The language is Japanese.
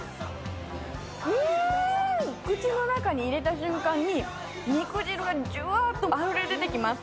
口の中に入れた瞬間に、肉汁がじゅわーっとあふれてきます。